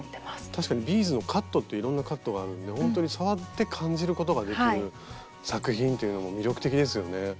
確かにビーズのカットっていろんなカットがあるんでほんとに触って感じることができる作品っていうのも魅力的ですよね。